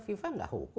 fifa enggak hukum